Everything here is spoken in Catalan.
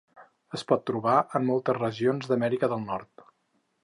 Es pot trobar en moltes regions d'Amèrica del nord.